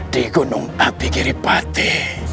di gunung api giripati